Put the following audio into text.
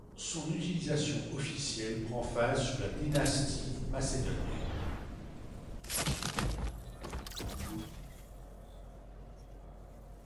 Son utilisation officiel prend fin sous la Dynastie Macédonienne.